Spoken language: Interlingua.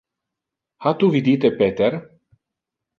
Ha tu vidite Peter?